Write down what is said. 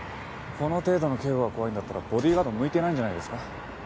この程度の警護が怖いんだったらボディーガード向いてないんじゃないですか？